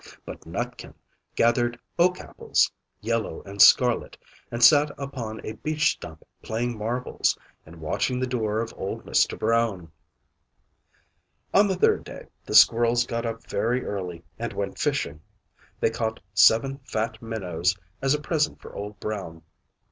But Nutkin gathered oak apples yellow and scarlet and sat upon a beech stump playing marbles, and watching the door of old Mr. Brown. On the third day the squirrels got up very early and went fishing; they caught seven fat minnows as a present for Old Brown.